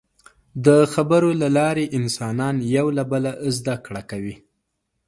د خبرو له لارې انسانان یو له بله زدهکړه کوي.